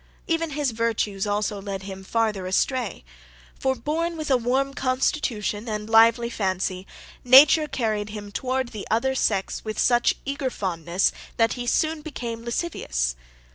Even his virtues also led him farther astray; for, born with a warm constitution and lively fancy, nature carried him toward the other sex with such eager fondness, that he soon became lascivious.